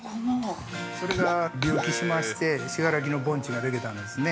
それが、隆起しまして信楽の盆地ができたんですね。